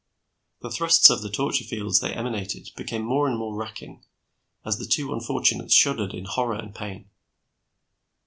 The thrusts of the torture fields they emanated became more and more racking, as the two unfortunates shuddered in horror and pain.